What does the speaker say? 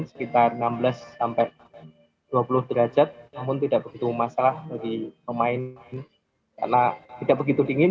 sekitar enam belas sampai dua puluh derajat namun tidak begitu masalah bagi pemain karena tidak begitu dingin